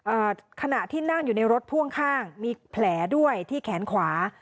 อ่าขณะที่นั่งอยู่ในรถพ่วงข้างมีแผลด้วยที่แขนขวา